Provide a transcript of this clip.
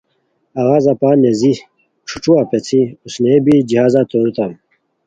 اوا زاپان نیژی ݯھوݯھوا پیڅھی اوسنئے بی جہازہ توریتام